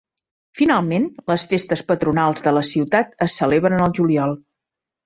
Finalment, les festes patronals de la ciutat es celebren al juliol.